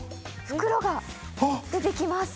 袋が出て来ます。